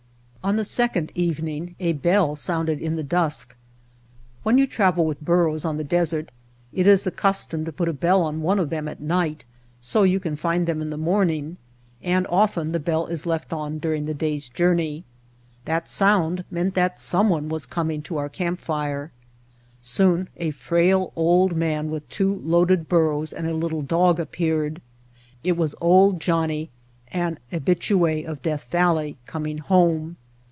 On the second evening a bell sounded in the dusk. When you travel with burros on the des ert it is the custom to put a bell on one of them at night so you can find them in the morning, and often the bell is left on during the day's journey. White Heart of Mojave That sound meant that someone was coming to our camp fire. Soon a frail old man with two loaded burros and a little dog appeared. It was "Old Johnnie," an habitue of Death Valley, coming home.